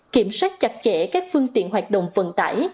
kiểm soát chặt chẽ các phương tiện hoạt động vận tải